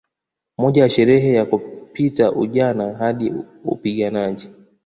Moja ya sherehe ya kupita ujana hadi upiganaji